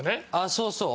そうそう！